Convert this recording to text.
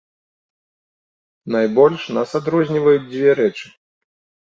Найбольш нас адрозніваюць дзве рэчы.